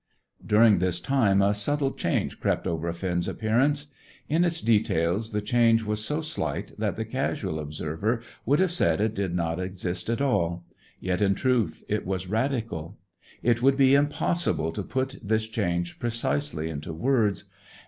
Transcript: During this time a subtle change crept over Finn's appearance. In its details the change was so slight that the casual observer would have said it did not exist at all; yet, in truth, it was radical. It would be impossible to put this change precisely into words.